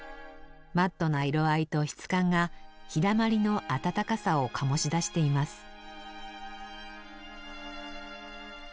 マットな色合いと質感が日だまりの暖かさを醸し出しています。